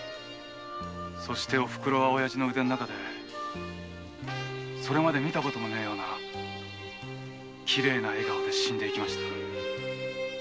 そしてお袋は親父の腕の中でそれまでに見たこともないようなきれいな笑顔で死んでいきました。